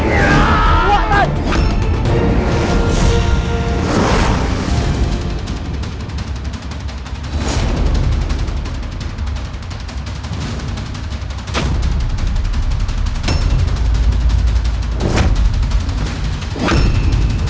pancacalan buat dokinirade